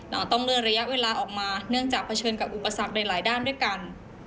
เราต้องเลื่อนระยะเวลาออกมาเนื่องจากเผชิญกับอุปสรรคหลายด้านด้วยกัน